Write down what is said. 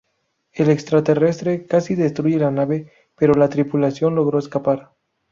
El extraterrestre casi destruye la nave, pero la tripulación logró escapar.